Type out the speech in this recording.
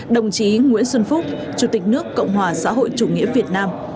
đồng chí nguyễn xuân phúc chủ tịch nước cộng hòa xã hội chủ nghĩa việt nam